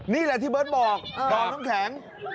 นี่แหละที่เบิร์ตบอกดอมน้ำแข็ง